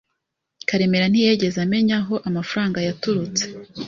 Karemera ntiyigeze amenya aho amafaranga yaturutse.